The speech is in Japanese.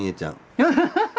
ハハハハ！